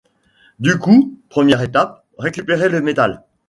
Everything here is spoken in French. Du coup, première étape, récupérer le métal.